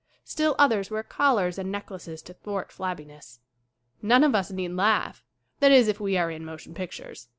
Still others wear collars and necklaces to thwart flabbiness. None of us need laugh ; that is if we are in motion pictures.